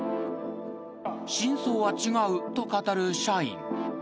［真相は違うと語る社員］